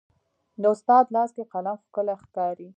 د استاد لاس کې قلم ښکلی ښکاري.